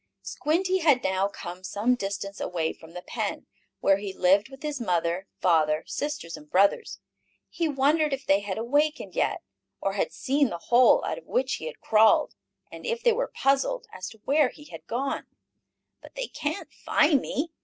Squinty had now come some distance away from the pen, where he lived with his mother, father, sisters and brothers. He wondered if they had awakened yet, or had seen the hole out of which he had crawled, and if they were puzzled as to where he had gone. "But they can't find me!"